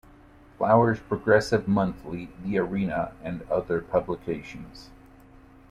Flower's progressive monthly, "The Arena" and other publications.